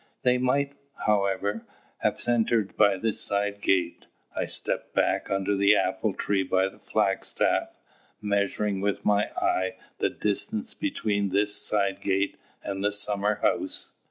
They might, however, have entered by the side gate. I stepped back under the apple tree by the flagstaff, measuring with my eye the distance between this side gate and the summer house.